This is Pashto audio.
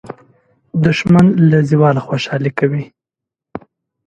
دښمن له زواله خوشالي کوي